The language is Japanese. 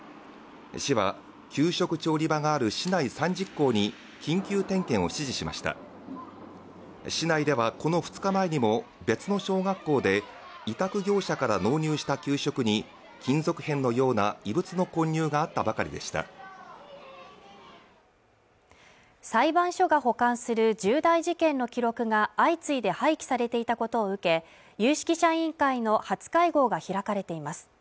市は給食調理場がある市内３０校に緊急点検を指示しました市内ではこの２日前にも別の小学校で委託業者から納入した給食に金属片のような異物の混入があったばかりでした裁判所が保管する重大事件の記録が相次いで廃棄されていたことを受け有識者委員会の初会合が開かれています